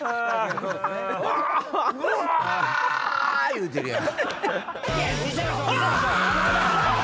言うてるやん。